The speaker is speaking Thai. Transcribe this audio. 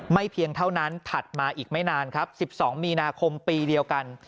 เพียงเท่านั้นถัดมาอีกไม่นานครับ๑๒มีนาคมปีเดียวกัน